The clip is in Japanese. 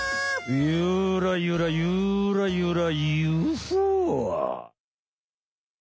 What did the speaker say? ゆらゆらゆらゆらゆふぉ！